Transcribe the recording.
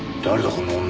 この女。